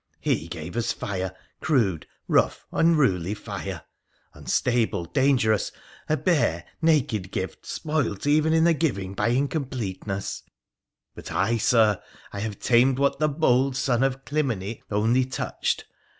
He gave us fire, crude, rough, unruly fire !— unstable, dangerous — a bare, naked gift, spoilt even in the giving by incompleteness ; but I, Sir — I have tamed what the bold Son of Clymene only touched.